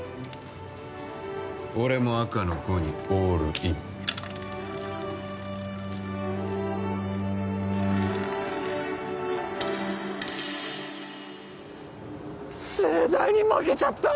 俺も赤の５にオールイン盛大に負けちゃった！